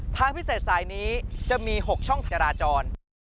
ทางพิเศษสายนี้จะมี๖ช่องจราจร